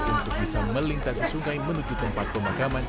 untuk bisa melintasi sungai menuju tempat pemakaman